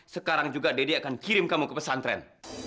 sekarang juga deddy akan kirim kamu ke pesantren